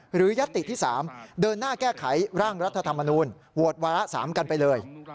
ยัตติที่๓เดินหน้าแก้ไขร่างรัฐธรรมนูญโหวตวาระ๓กันไปเลย